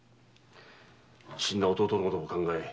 死んだ弟のことを考え